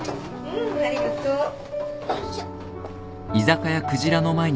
うんありがとう。よいしょ。